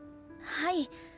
はい。